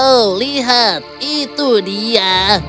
oh lihat itu dia